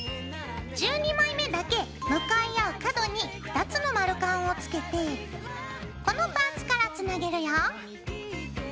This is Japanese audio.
１２枚目だけ向かい合う角に２つの丸カンをつけてこのパーツからつなげるよ。